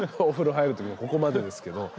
お風呂入る時はここまでですけど。